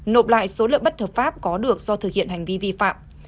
nộp lại số lợi bất hợp pháp có được do thực hiện hành vi vi phạm